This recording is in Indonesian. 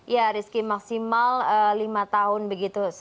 ya rizky maksimal lima tahun begitu